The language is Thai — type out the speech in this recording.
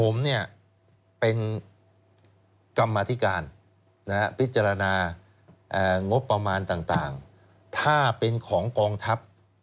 ผมเป็นกรรมธิการพิจารณางบประมาณต่างถ้าเป็นของกองทัพ